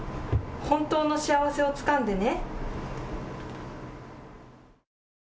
本当の幸せをつかんでね。